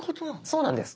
そうなんです。